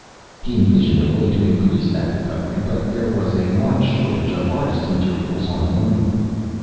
He envisioned a way to increase that recovery. But there was a marked shortage of artists' materials on the Moon.